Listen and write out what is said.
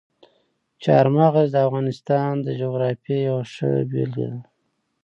چار مغز د افغانستان د جغرافیې یوه ښه بېلګه ده.